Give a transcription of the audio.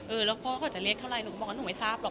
แล้วพ่อเขาจะเรียกเท่าไรหนูก็บอกว่าหนูไม่ทราบหรอก